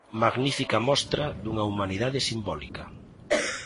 Magnífica mostra dunha humanidade simbólica.